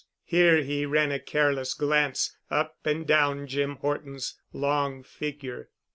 Here he ran a careless glance up and down Jim Horton's long figure.